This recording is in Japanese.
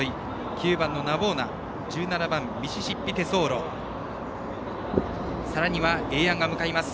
９番ナヴォーナ１７番ミシシッピテソーロエエヤンが向かいます。